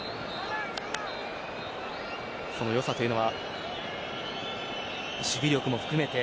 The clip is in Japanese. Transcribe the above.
その良さというのは守備力も含めて。